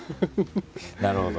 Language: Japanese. なるほど。